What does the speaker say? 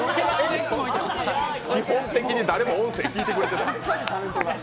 基本的に誰も音声聞いてくれてない、画でね。